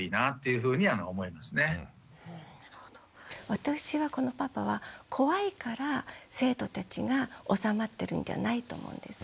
私はこのパパは怖いから生徒たちが収まってるんじゃないと思うんです。